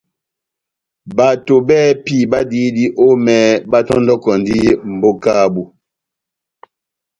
Bato bɛ́hɛ́pi badiyidi omɛ batɔndɔkɔndi mbóka yabu.